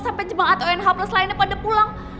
sampai jemaah onh plus lainnya pada pulang